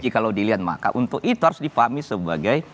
kalau dilihat maka untuk itu harus dipahami sebagai